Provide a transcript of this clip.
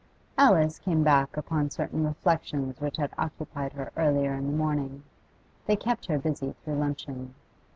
Alice came back upon certain reflections which had occupied her earlier in the morning; they kept her busy through luncheon.